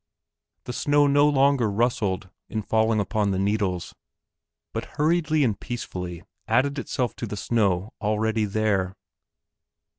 The snow no longer rustled, in falling upon the needles, but hurriedly and peacefully added itself to the snow already there.